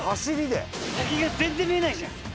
先が全然見えないじゃん。